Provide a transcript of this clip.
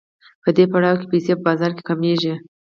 په دې پړاو کې پیسې په بازار کې کمېږي